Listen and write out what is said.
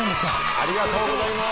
ありがとうございます。